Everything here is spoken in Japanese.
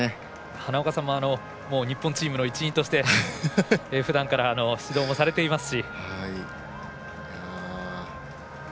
花岡さんも日本チームの一員としてふだんから指導されてますし。